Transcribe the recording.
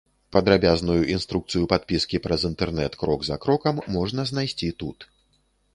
Падрабязную інструкцыю падпіскі праз інтэрнэт крок за крокам можна знайсці тут.